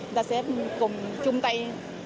người ta sẽ cùng chung tay